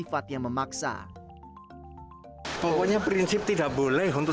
pembukaan pemaksaan sultan mengingatkan jika sekolah sekolah tidak diperbolehkan menjual